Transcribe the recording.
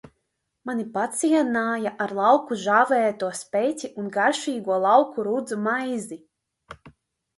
Mani pacienāja ar lauku žāvēto speķi un garšīgo lauku rudzu maizi.